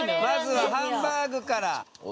まずはハンバーグから。